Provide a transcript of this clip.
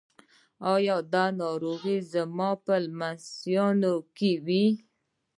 ایا دا ناروغي به زما په لمسیانو کې وي؟